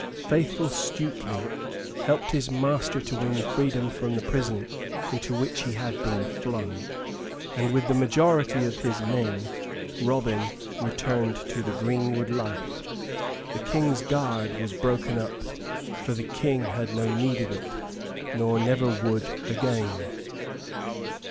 Faithful Stuteley helped his master to win freedom from the prison into which he had been flung; and, with the majority of his men, Robin returned to the greenwood life. The King's guard was broken up, for the King had no need of it, nor never would again.